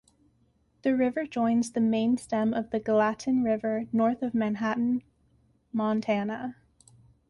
The river joins the main stem of the Gallatin River north of Manhattan, Montana.